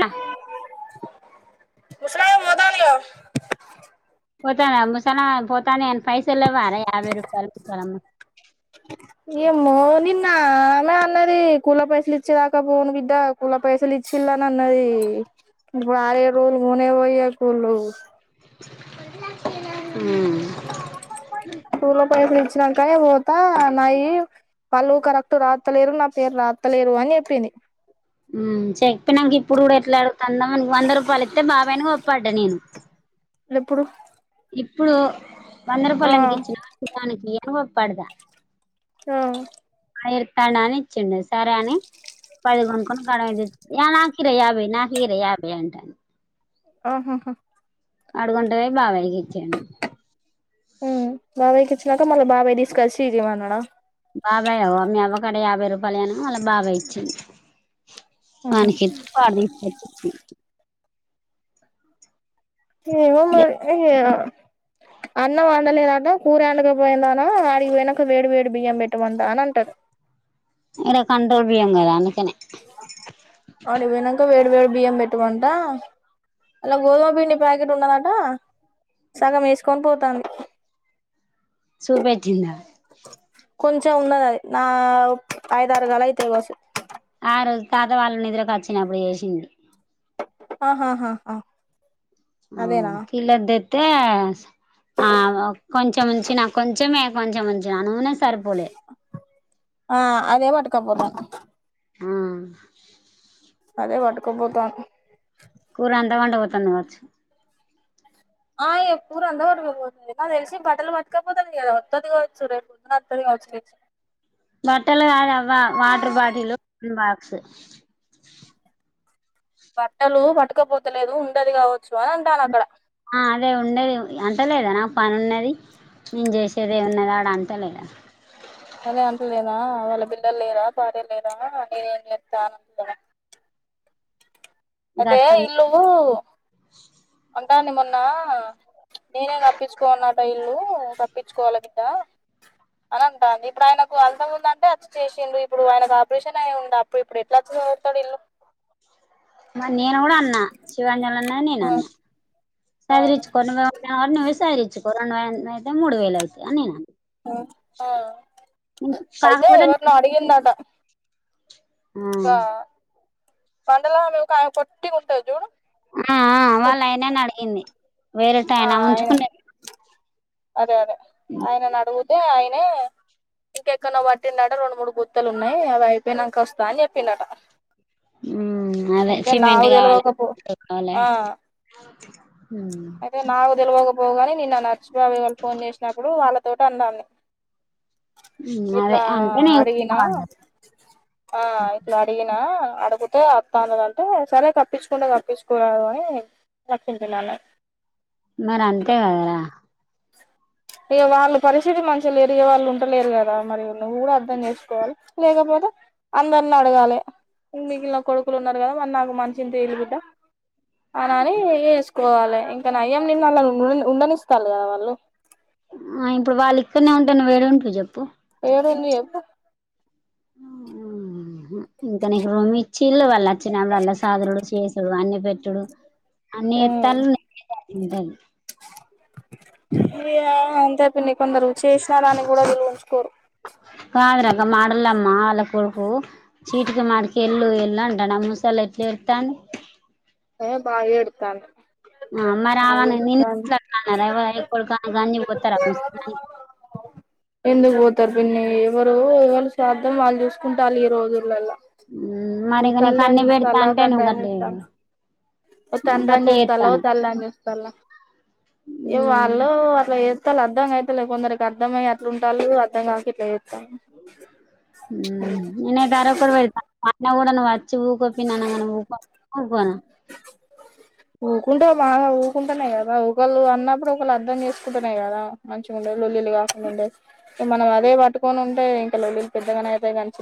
ఆ ముసలాయం మోతాందిగా పోతందా ముసాలమా పోతని పైసల్ లేవా అనే యాబై రూపాలు ముసాలమా ఏమో నిన్న న్న ఆమె అన్నది కూల పైసలు ఇచ్చేదాకా పోను బిడ్డ కూల పైసలు ఇచ్చిళని అన్నది ఇప్పుడు ఆరే రోజులు పోనే పోయి వస్తున్లు కూళ్ల పైసలు ఇచ్ ఇచ్చినాక పోత నాయి వాళ్ళు కరెక్ట్ రాత్తలేరు నా పేరు రాత్తలేరు అని చెప్పింది ఉమ్ చెప్పినక ఇప్పుడు కూడా ఎట్లా అడుగుతన్నాం వంద రూపాయలు ఇస్తే బా పోయినవ్ పడ నేను ఎప్పుడు ఇప్పుడు వంద ఆ రూపాయల ఎందుకొచ్చినావ్ కుకానికీ హు పడుదా ఆ ఏడ్తన్నావని ఇచ్చినది సరే అని పదికొంట కాడ యా నకిర యాభైయి నా కీరె యాభై అంటాంది ఓహోహో అడుగుంట పోయి బాబాయ్ కిచింద్ నాక మల్ల బాబాయ్ తీసుకొచ్చి ఇంట్లో పన్నాడా బాబాయ్ అవ మీ అవక్కడ యాభై రూపాయల అనీ మల్ల బాబాయ్ ఇచ్చ ఆహా పనికిత్ పాడ్ ఏమో ఇచ్చిండు మరి అన్నం వండలేదట కూర ఆండకపోయిందా అనా ఆడి వెనక వేడి వేడి బియ్యం పెట్టమంట అని అంటారు ఇక్కడ కంట్రోల్ చేయంగదా అందుకనే ఆడి వెనక వేడి వేడి బియ్యం పెట్టమంట అలా గోధుమ పిండి ప్యాకెట్ ఉండదట సగం వేసుకొని పోతాండు సుభేజింద కొంచెం ఉన్నద అది నా ఆఐదారుగాల అయిత ఆ తాత వాళ్ళు నిద్రకు వచ్చినప్పుడు చేసింది ఆహా ఆ మ్ కిల్ ఆఫ్ డెత్ అతే ఆ కొంచంచిిన కొంచమే కొంచెంంచి అను ఆ అదే నా లేక కప్బోర్డు మ్ అదే పటుకోపోతాను కూర అంత వండపోతు అండవచ్చు ఆ ఎప్పుడూ అందరకుపోతుంది నాకు తెలిసి బట్టలు పట్టుకపోతుంది కదా వత్తది కావచ్చు రేపు పొదు అత్తది కావచ్చు రే బట్టలు కాదువ్వ వాటర్ బాటిల్ా స బట్టలు పట్టుకపోతలేదు ఉండది కావచ్చు అని అంటాన అక్కడ అదే ఉండేది అంటలేదా నాకు పని ఉన్నది నేను చేసేదే ఉన్నద ఆడ అంటలేదా అదే అంతలేదా వాళ్ళ బిల్లలు లేద భార్య లేదా నేను ఏం చెప్తా అలే అదతే గట్లుంది ఇలుఊరు డి మొన్న నేనే తప్పించుకోన్నట ఇల్లు తప్పించుకోవాలి బిద్ద అని అంటా ఇప్పుడు ఆయనకు అల్థం ఉంద అంటే అచ్చ చేసిడు ఇప్పుడు ఆయనకు ఆపరేషన్ అయిండడు అప్పుడు ఇప్పుడు ఎట్లాచ్చతాడు ఇల్లు నేను కూడా అన్నా శివాంజలు అన్నా నేను అన్నా ఆ సదరిచ్చుకో ను అని విసారించు [inaudible] మూడు వేల అయితాయ్ అని నేనన్న ఆ అయితే ఎవరినో అడిగిందట ఆ పరదా కాకపోతే టి ఉంటాాయి చూడు ఆ వాళ్ళ పొట్ ఆయనను అడిగింది ఆ వేరేటాయన ఆయన ఉంచుకునే అదే అదే ఆయన నడగుద్ అంటే ఆయన ఇంకెక్కన పట్టిందట రెండు మూడు గుతులు ఉన్నాయి అవి అయిపోయినాంక వస్తా అని చెప్పిండట మ్ అదే అయితే సిమెంట్ నాకు కావాలి తెలవకపో కావాలి ఆ అదే నాకు తెలవకపోవు గాని నిన్న నర్చు బాబాయ్ వాళ్ళ ఫోన్ చేసినప్పుడు వాళ్ళతో ట అన్నా అన్ని అదే ఇట్లా అంటే నీ అడిగినా ఆ ఇట్లా అడిగినా అడుగుతే అత్తన్నదంటే సరే కప్పించుకుంటే కప్పించుకోరాదు అని అన్నది మరి అంతే కదరా ఇక వాళ్ళ పరిస్థితి మంచిగా లేరు ఇక వాళ్ళు ఉంటలేరు కదా మరి నువ్వు కూడా సుకోవాలి లేకపోతే అందరిని అడగాలి మిగిన కొడుకులు ఉన్నారు కదా మరి నాకు మనిశింత ఇయ్యల్లి బిడ్డ అని అని వేసుకోవాలి ఇంకా నయం నిన్న అళ్ళ ఉండనిస్తాళ్లు కదా వాళ్ళు ఆ ఇప్పుడు వాళ్ళు ఇక్కడనే ఉంటే నువ్వేడా ఉంటవు చెప్పు ఎక్కడుంది చెప్పు అ ఉ హ్ ఇంకా నీకు రూమ్ ఇచ్చిళ్ళు వాళ్ళు వచ్చినపుడు అళ్ళ సదురుడు చేసుడు అన్ని పెట్టుడు అన్ని చెప్పు చేత్తాళ్లు నికయితే అట్లా ఉంటది ఇయా అంతే పిన్ని కొందరు చేసినా దాని కూడా విలువ ఉంచుకోరు కాదూర మాడలమ్మా వాళ్ల కోడుకు చీటికీ మాటికీ ఏళ్ళు ఏళ్ళు అంటాడు అ ముసాల్ ఎట్లా ఏడతాండు ఏ బాగా ఎడుతాండు అ మరి ఆమెని నిన్ను ఎట్లా అన్నారే అరె కోడకా గంజి పోత్తార ముసలి దాని ఇారు పిన్ని ఎవరు ఎవరు స్వార్థం వాళ్ళు చూసుకుంటాళ్లు ఈ రోజులల్ల మరి ఇగా నీకు అన్నీ పెడత అంటే తండ్రి నువ్వు అని కట్లే చూస్తాలా ఓ తండ్రి అని చూస్తలా ఓ తల్లి అని చూస్తలా ఇగ మ్మ్ వాళ్ళు అట్లా ేస్తా అర్ధం అయితలేదు కొందరికి అర్ధం అయి అట్లా ఉంటాళ్లు అర్థం కాక ఇట్లా చేత్త ఉ ఈనే ధర ఒకటి నా కూడా వచ్చి ఊకో పిన్ని అనంగానే ఊకోనా ఊకోన ఊకుంటవ్ మాగా ఊకుంటనే కదా ఒకళ్ళు అన్నప్పుడు ఒకళ్ళు అర్ధం చేసుకుంటనే కదా మంచిగా ఉండుల్లి లోల్లిలు కాకుండా ఉండుల్లి మనం అదే పట్టుకొని ఉంటే ఇంకా లో ల్లీలు పెద్దగానే అయితాయి కని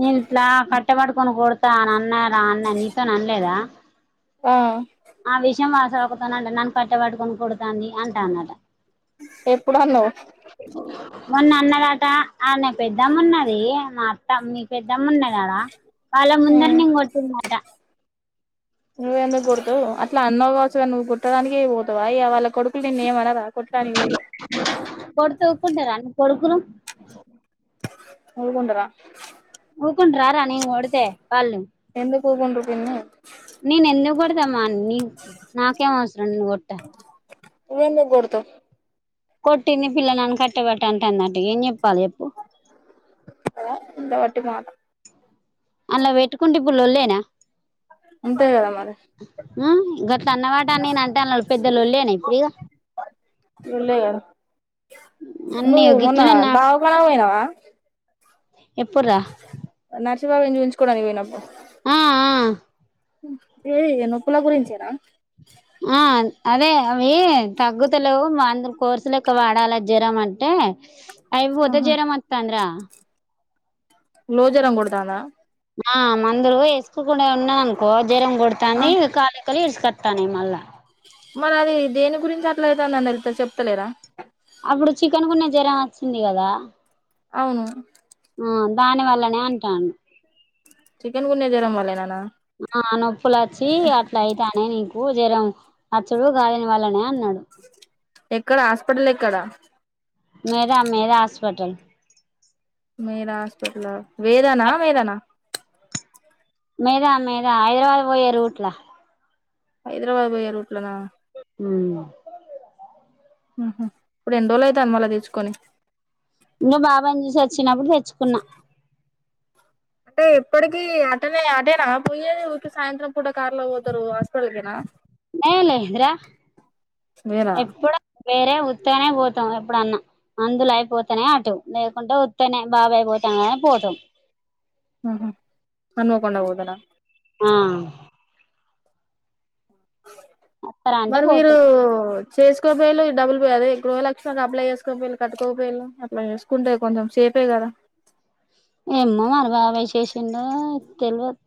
నేను ఇట్లా కట్ట వట్టుకొని కొడ్ నాన్న రా అన్న నీతో ని అనలేదా ఆ ఆ విషయం వాస అక్క తోనంటే నన్ను కట్ట వట్టుకుని కొడతాంది అంటాందీ అట ఎప్పుడు అన్నవ్ మొన్న అన్నాదట ఆన్నే పెద్దమ్మున్నది మా అత్త మీ పెద్ద పెద్దమ్ముంది అడా వాళ్ళ ముందర నేను కొట్టిన్నిటా నువ్వ ఎందుకు కొడతావ్ అన్నావ్ కావచ్చు కానీ నువ్వు కొట్టడానికి పోతావా వాళ్ళ కొడుకులు నిన్ను ఏం అనరా కొట్టు ఉన్నారా అన్న కొడుకులు మూడిందిరా కుంట్రారా నేను కొడితే ఎంత సేపు పండుకోయింది నేను ఎందుకు కొడతామా నీ నాకేం అవసరం నేను కొట్టా ఇవాళే జస్ట్ కొట్టింది పిల్లలను కట్టబట్ట అంటందంట ఏం చేప్ నోటి మాట అలా వెట్టుకుంటే ముల్లు లేదా ఉంటాయి కదా మరి ఆ గట్ల అన్నవాట నేను అంటే అల్ల పెద్ద లొల్లేనా ఇప్పుడు ఇగ ఉన్నావా అన్నీ నువ్వు మొన్న గిట్లనే నా దావకానా పోయినావా ఎప్పురా తువాలు ఎంచుకోవడానికి పోయినాములే ఆ ఆ ఏ ఇనపరాద చీనా ఆ అవే అవి తగ్గుతలేవు మందులు కోర్సులుకు వాడాలి జరం అంటే అయిపోతే ఆహా జరం వత్తాండే లో జరం కొడుతాంద ఆ మందులు వేసుకోకుండా ఉన్నాననుకో జరం ఆ కొడుతాంది ఇంగ కాలి కెళ్లి తీస్కొత్త నేను మళ్ళ మరి అది దేని గురించి అట్ల అవుతుందని వెళ్తే చెప్తలేరా అప్పుడు చికెన్ గున్యా జ్వరం వచ్చింది కదా అవును మ్మ్ దాని వల్లనే అంటాండు చికెన్ గున్యా జ్వరం వల్లేనా ఆ నొప్పులు వచ్చి అట్లా అయితా నే నీకు జరం అచ్చులు కాదని వాళ్ళనే అన్నాడు ఎక్కడ హాస్పిటల్ ఎక్కడా మేరా మేరా హాస్పిటల్ మేరా హాస్పిటలా వేదా నా మేధా నా మేధా మేధా హైదరాబాద్ పోయే రూట్లా హైదరాబాద్ పోయే రూ హ్మ్మ్ మ్మ్ హ్మ్ ఇప్పుడు ఎన్ని రోజులు అయితాంది మళ్ళా తెచ్చుకొని ఇంగ బాబాని చూసి వచ్చినప్పుడు తెచ్చుకున్న అంటే ఎప్పటికీ అటనే అటేనా పోయేది ఊరికి సాయంత్రం పూట కార్లో పోతారు హాస్పిటల్ కేనా ఏ లేదురా వేరా ఎప్పుడో వేరే ఊరి వత్తేనే పోతాం ఎప్పుడన్న మందులు అయిపోతనే అటు, లేకుంటే వత్తనే బాబాయి పోతానే పోతం ఆహ హన్మకొండ పోతర ఆ వస్తారా అంటే మరి మీరూ పోతాం చేసుకోకపోయిళ్ళు డబ్బులు పోయిే అదే గృహ లష్మి కి అప్లై చేసుకోకపోయిళ్ళు కట్టుకోకపోయిళ్ళు అప్లై చేసుకుంటే కొంచెం సేఫే కదా ఏమ్మో మరి బాబాయ్ చేసిండో తెల్వద్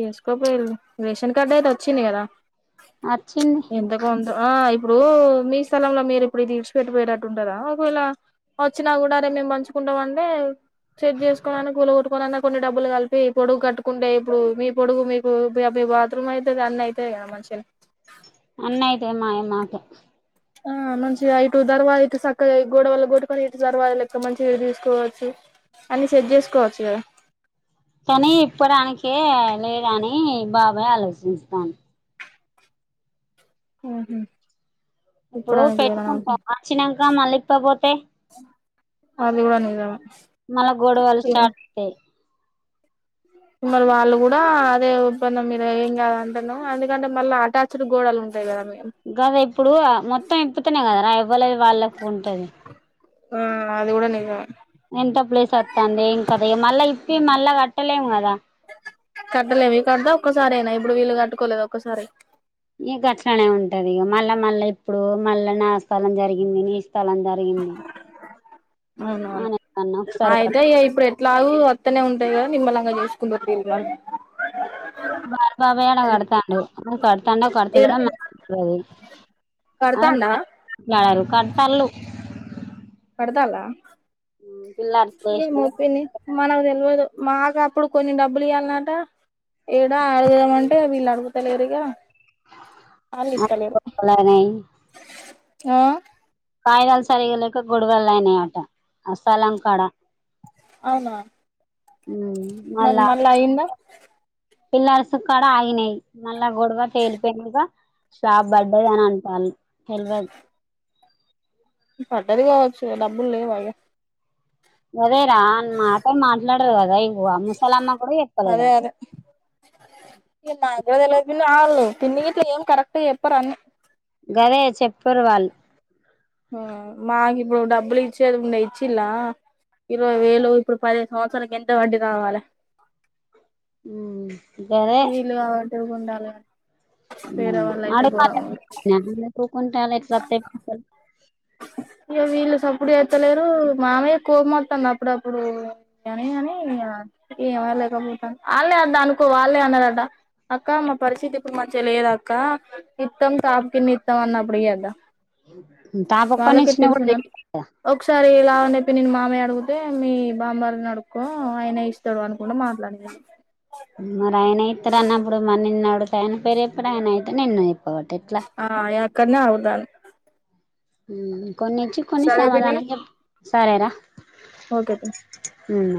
చేసుకోకపోయిళ్ళు రేషన్ కార్డు అయితే వచ్చింది కదా అచ్చింది ఎంత కొంత ఆ ఇప్పుడూ మీ స్థలంలో మీరు ఇప్పుడు ఇది ఇడిసిపెట్టిపోయేటట్టు ఉంటదా ఒకవేళ వచ్చినా కూడా రేపు మేము పంచుకుంటాం అంటే సెట్ చేసుకోవలన్న కూల కొట్టుకొని అన్న కొన్ని డబ్బులు కలిపి పొడుగ్గ కట్టుకుంటే ఇప్పుడు మీ పొడుగు మీకు మీ బాత్రూమ్ అయితది అన్నీ అయితయి కదా మంచిగనే అన్న అయితయి మాయి మాకె ఆ మంచిగా ఇటు దర్వాజా ఇటు చక్కగా గోడవల్ల కొట్టుకొని ఇటు తర్వాత లెక్క మంచిగా తీసుకోవచ్చు అన్ని సెట్ చేసుకోవచ్చు కదా కానీ ఇప్పడానికే లేదని బాబాయ్ ఆలోచించుతండు ఆహ ఇప్పుడు పెట్టుకుంట వచ్చినంక మల్లీ ఇప్పకపోతే అది కూడ నిజమే మళ్ళ గొడవలు స్టార్ట్ అయితయి మళ వాళ్ళు కూడా అదే వద్దన్నారు మీరు ఏం కాద అంటున్నా ఎందుకంటే మళ్ళా అటాచ్డ్ గోడలు ఉంట గదే ఇప్పుడు మొత్తం ఇప్పుతున్న కద రా ఎవ్వలది వాళ్ళకు ఉంటది ఆ అది కూడ నిజమే ఇ మళ్ళా కట్టలేము కదా కట్టలేము కదా ఒక్కసారే అయినా ఇప్పుడు ఇల్లు కట్టుకోలేదు ఒక్కసారి ఈ గట్లనే ఉంటది ఇగ మళ్ళ మళ్ళ ఇప్పుడు మళ్ళా నా స్థలం జరిగింది నీ స్థలం స్థలం జరిగింది ఆ అవునవును నేను అన్నా ఒకసారి కడత అయితే ఇప్పుడు ఎట్లాగూ త్తనే ఉంట గద నిమ్మళంగా చూసుకుందువు తీ ఇగ మా బావే ఆడ కడతాన్డు అ కడతాండో ఏడ కడుతలేదో నాకు తెల్వది కడతాండా కడతాన్లు కడతాన్ల ఆ పిల్లాడి స్నేష్ నే మనకు తెలివదు మాకు అప్పుడు కొన్ని డబ్బులు ఇయ్యల్నంటా ఏడా అడుగుదమంటే వీళ్ళు అడుగుతలేరు ఇగా ఆపలా నై ఆ కాయిదాలు సరిగలేక గొడవలు అయినాయట అ స్థలంకాడా అవునా ఉమ్ మరి మళ్ళా అయి్యిందా పిల్రసు క్కాడ కూడా ఆగినాయి ఇలా గొడవ తేలిపోయినుగా షాప్ పడ్డది అని అ పల్ హల్వల్ పడ్డది కావచ్చు డబ్బులు లేవ ఇగ అదే రా అన్ మాట మాట్లాడరు కదా ఇప్ ఓ ఆ ముసాలమ్మా కూడా చేపల్లేదు అదే ఇకా తెలవదా పిన్ని వాళ్ళు పిన్ని గిట్ల ఏం కరెక్ట్ చెప్పరని గదే చెప్పరు వాళ్ళు ఉమ్ మాకు ఇప్పుడు డబ్బులు ఇచ్చేది ఉండ ఇచ్చిలా ఇరవై వేలు ఇప్పుడు పదిహేదు సంవత్సరాలనికి ఎంత వడ్డీ కావాలి ఉమ్ గదే ఎరుగుండల్ కద్ ఉమ్ అడగపట్ల ఊరుకుంటే ఎట్లా వస్తాయి ఇయ్యో వీళ్ళు సప్పుడు ఎత్తలేరు మామయ్య కోపం వస్తోంది అప్పుడప్పుడు గానే గని ఇంక ఏమ లేకపోతాం వాళ్ళే అద్ద అనుకో వాళ్ళే అన్నారట అక్క మా పరిస్థితి ఇప్పుడు మంచిగా లేద అక్క ఇత్తం కాపు కిన్ని ఇస్తాం అన్నప్పుడు ఇయ్యద అవు వాళ్ళకే తెలుసు నప్ ఒకసారి ఇలా అన్ చొప్పి నేను మామయ్య అడిగితే మీ బామ్మర్దిని అడుకో ఆయన ఇస్తాడు అనుకుంటూ మాట్లాడినార్ ఇతడ్ అన్నప్పుడు మరి నిన్ నడువ్ తయినపేర్ చోపిన అయినతే నినయ్ ఆ యక్కనే అవుతాని ఉమ్ కొన్నిచ్చ కొన్ని సరే పిన్ని సమాధానం చెప్ సరేరా ఓకే పిన్ని ఉమ్